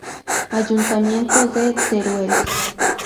Ayuntamiento de Teruel.